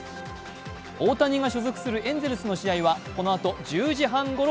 大谷が所属するエンゼルスの試合はこのあと１０時半ごろ